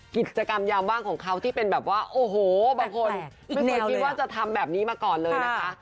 กิจกรรมยามว่างของเขาที่เป็นแบบว่าโอ้โหบางคนไม่เคยคิดว่าจะทำแบบนี้มาก่อนเลยนะคะ